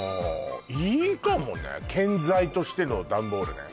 いいかもね建材としてのダンボールね